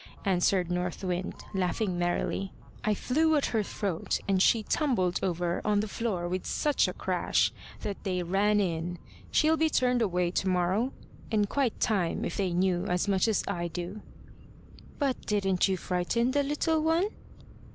answered North Wind laughing merrily. "I flew at her throat, and she tumbled over on the floor with such a crash that they ran in. She'll be turned away to morrow and quite time, if they knew as much as I do." "But didn't you frighten the little one?"